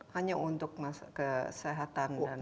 hanya untuk kesehatan